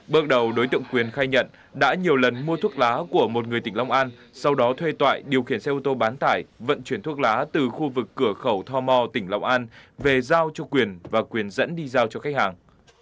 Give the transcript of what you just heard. bước đầu đối tượng quyền khai nhận đã nhiều lần mua thuốc lá của một người tỉnh long an sau đó thuê tọa điều khiển xe ô tô bán tải vận chuyển thuốc lá từ khu vực cửa khẩu tho mo tỉnh long an về giao cho quyền và quyền dẫn đi giao cho khách hàng